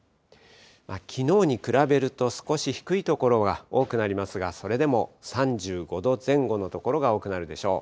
きのうに比べると、少し低い所が多くなりますが、それでも３５度前後の所が多くなるでしょう。